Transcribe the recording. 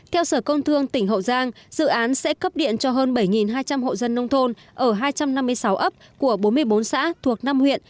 theo sở công thương tỉnh hậu giang dự án sẽ cấp điện cho hơn bảy hai trăm linh hộ dân nông thôn ở hai trăm năm mươi sáu ấp của bốn mươi bốn xã thuộc năm huyện